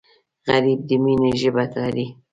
غریب د مینې ژبه لري